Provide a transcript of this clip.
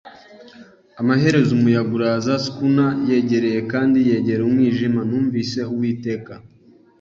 Amaherezo, umuyaga uraza; schooner yegereye kandi yegera umwijima; Numvise Uwiteka